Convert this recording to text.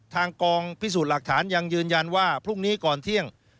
ทางกองพิสูจน์หลักฐานยังยืนยันว่าพรุ่งนี้ก่อนเที่ยง